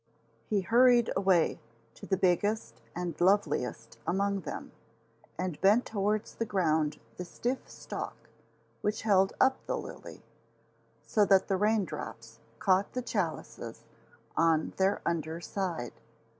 He hurried away to the biggest and loveliest among them, and bent towards the ground the stiff stalk which held up the lily, so that the raindrops caught the chalices on their under side.